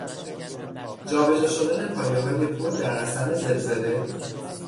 جا به جا شدن پایههای پل در اثر زلزله